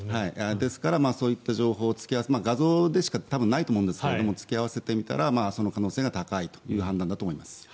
ですからそういった情報を突き合わせて画像でしかないと思うんですが突き合わせてみたらその可能性が高いという判断だと思います。